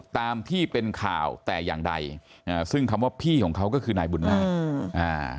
ตามที่เป็นข่าวแต่อย่างใดอ่าซึ่งคำว่าพี่ของเขาก็คือนายบุญนาคอืมอ่า